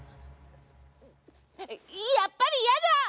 やっぱりやだ！